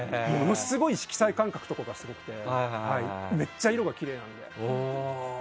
色彩感覚とかがすごくてめっちゃ色がきれいなので。